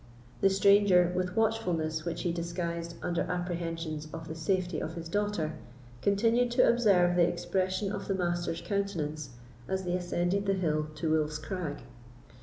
The stranger, with watchfulness which he disguised under apprehensions of the safety of his daughter, continued to observe the expression of the Master's countenance as they ascended the hill to Wolf's Crag.